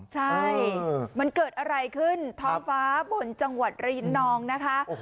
ใช่มันเกิดอะไรขึ้นท้องฟ้าบนจังหวัดระยินนองนะคะ